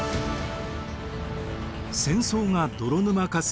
戦争が泥沼化する中